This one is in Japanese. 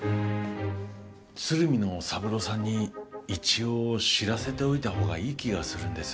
鶴見の三郎さんに一応知らせておいた方がいい気がするんです。